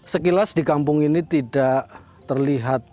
sekilas di kampung ini tidak terlihat